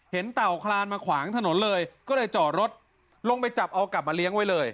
เต่าคลานมาขวางถนนเลยก็เลยจอดรถลงไปจับเอากลับมาเลี้ยงไว้เลย